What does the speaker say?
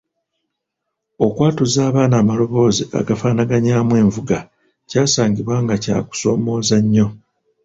Okwatuza abaana amaloboozi agafaanaganyaamu envuga kyasangibwa nga kya kusoomooza nnyo.